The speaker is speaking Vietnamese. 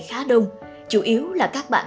khá đông chủ yếu là các bạn